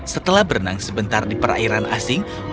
setelah berenang sebentar di perairan asing mereka mencapai tabir surya